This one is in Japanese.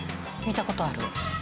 見たことある。